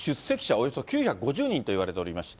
およそ９５０人といわれておりまして。